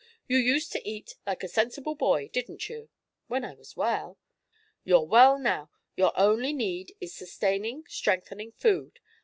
You used to eat like a sensible boy, didn't you?" "When I was well." "You're well now. Your only need is sustaining, strengthening food.